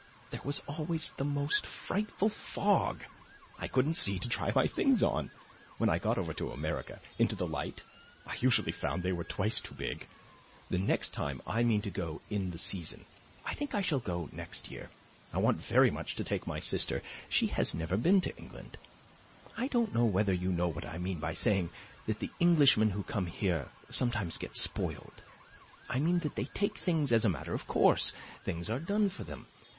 There was always the most frightful fog; I couldn't see to try my things on. When I got over to America into the light I usually found they were twice too big. The next time I mean to go in the season; I think I shall go next year. I want very much to take my sister; she has never been to England. I don't know whether you know what I mean by saying that the Englishmen who come here sometimes get spoiled. I mean that they take things as a matter of course things that are done for them.